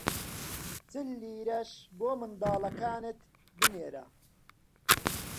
چل لیرەش بۆ منداڵەکانت بنێرە!